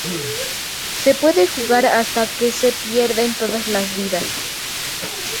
Se puede jugar hasta que se pierden todas las vidas.